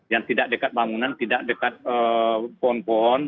yang tidak dekat bangunan tidak dekat pohon pohon